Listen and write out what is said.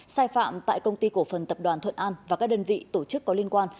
sai phạm tại công ty cổ phần tập đoàn thuận an và các đơn vị tổ chức có liên quan